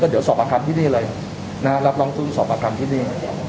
แล้วก็สอบอากราธินิตนี่เลยรับรองทุนสอบอากราธินตินี้